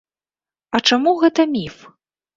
А чаму гэта міф?